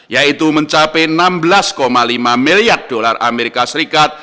yaitu mencapai rp enam belas lima miliar